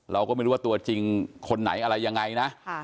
เราก็ไม่รู้ว่าตัวจริงคนไหนอะไรยังไงนะ